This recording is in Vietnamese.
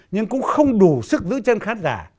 nhưng cũng không đủ sức giữ chân khán giả